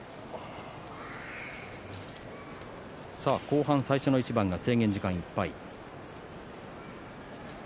後半最初の一番が制限時間いっぱい。